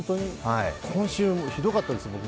今週、ひどかったです、僕。